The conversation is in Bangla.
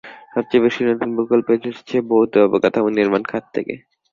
সবচেয়ে বেশি নতুন প্রকল্প এসেছে ভৌত অবকাঠামো নির্মাণ খাত থেকে।